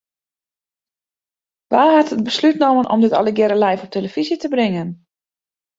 Wa hat it beslút nommen om dit allegearre live op 'e telefyzje te bringen?